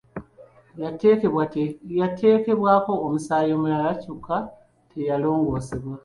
Yateekebwako omusaayi omulala kyokka teyalongoosebwa.